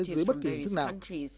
dưới bất kỳ hình thức nào